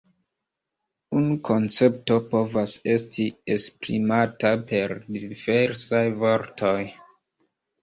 Unu koncepto povas esti esprimata per diversaj vortoj.